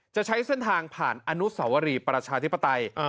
จะใช้เส้นทางผ่านอนุสวรีประชาธิปไตย